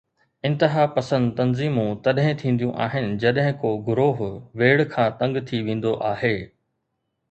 انتهاپسند تنظيمون تڏهن ٿينديون آهن جڏهن ڪو گروهه ويڙهه کان تنگ ٿي ويندو آهي.